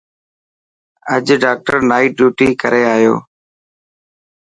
اڄ ڊاڪٽر نائٽ ڊيوٽي ڪري آيو.